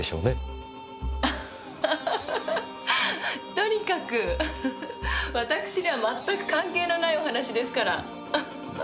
とにかくフフフ私には全く関係のないお話ですから。